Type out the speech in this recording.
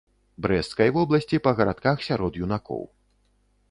Брэсцкай вобласці па гарадках сярод юнакоў.